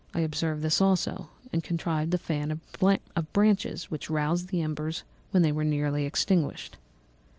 I observed this also and contrived a fan of branches, which roused the embers when they were nearly extinguished.